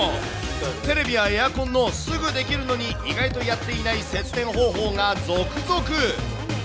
テレビやエアコンのすぐできるのに、意外とやっていない節電方法が続々。